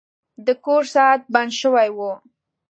د کور ساعت بند شوی و.